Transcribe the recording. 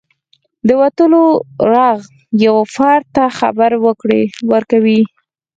• د وتلو ږغ یو فرد ته خبر ورکوي.